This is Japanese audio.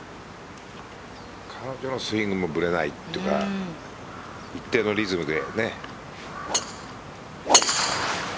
彼女のスイングもぶれないというか一定のリズムで。